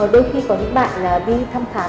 đôi khi có những bạn đi thăm khám